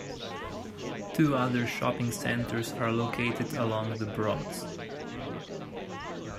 Two other shopping centres are located along The Broads.